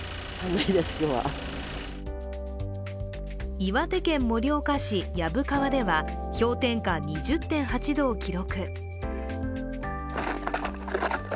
岩手県盛岡市薮川では氷点下２０．８度を記録。